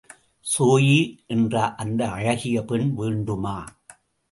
Zoe என்ற அந்த அழகிய பெண் வேண்டுமா?